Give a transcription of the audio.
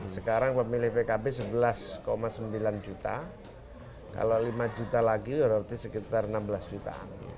sekarang pemilih pkb sebelas sembilan juta kalau lima juta lagi berarti sekitar enam belas jutaan